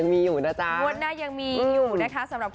งวดหน้าต่อต่อไหนก็ยังมีอยู่นะจ๊ะ